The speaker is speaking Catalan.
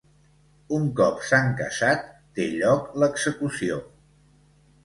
Un cop s'han casat, té lloc l'execució.